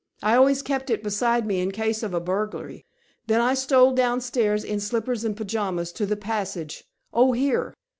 I always kept it beside me in case of a burglary. Then I stole downstairs in slippers and pajamas to the passage, oh, here."